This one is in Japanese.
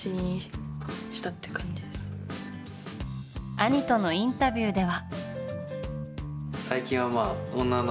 兄とのインタビューでは。